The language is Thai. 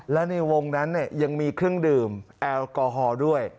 และในวงนั้นยังมีเครื่องดื่มแอลกอฮอล์ด้วย